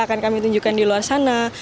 akan kami tunjukkan di luar sana